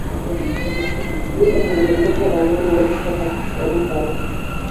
Mimba zilizotoka za wanyama waliokufa kwa homa ya bonde la ufa